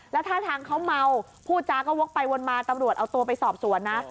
แล้วท่าทางเขาเมาผู้จาก็วกไปวนมาตำรวจเอาตัวไปสอบสวนนะ